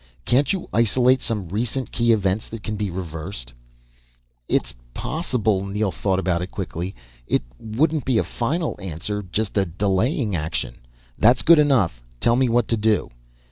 "Can't you isolate some recent key events that can be reversed?" "It's possible." Neel thought about it, quickly. "It wouldn't be a final answer, just a delaying action." "That's good enough. Tell me what to do."